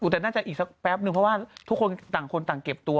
แต่น่าจะอีกสักแป๊บนึงเพราะว่าทุกคนต่างคนต่างเก็บตัว